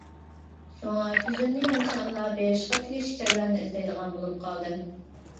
شۇڭا، كۆزۈمنى يۇمساملا بېرىشقا تېگىشلىك جايلارنى ئىزدەيدىغان بولۇپ قالدىم.